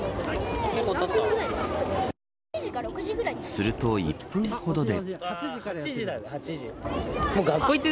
すると、１分ほどで。